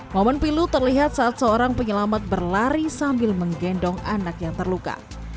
momen pilu terlihat saat seorang penyelamat berlari sambil menggendong anak yang terluka